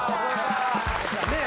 ・ねえ